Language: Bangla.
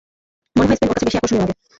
মনে হয় স্পেন ওর কাছে বেশি আকর্ষণীয় লাগে।